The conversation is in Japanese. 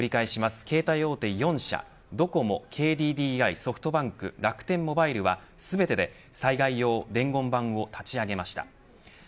携帯大手４社ドコモ、ＫＤＤＩ、ソフトバンク楽天モバイルは全てで災害用伝言板を立ち上げました。